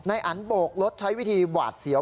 อันโบกรถใช้วิธีหวาดเสียว